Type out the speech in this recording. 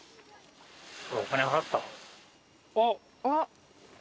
あっ。